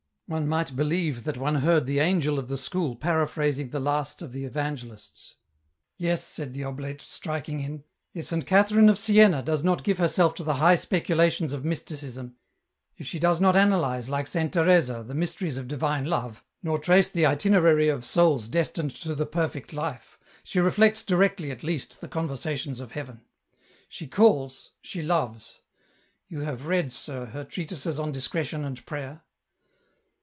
One might believe that one heard the Angel of the School paraphrasing the last of the Evangelists." " Yes," said the oblate, striking in, " if Saint Catherine of Siena does not give herself to the high speculations of Mysticism ; if she does not analyze like Saint Teresa the mysteries of divine love, nor trace the itinerary of souls destined to the perfect life, she reflects directly at least the conversations of Heaven. She calls, she loves ! You have read, sir, her treatises on Discretion and Prayer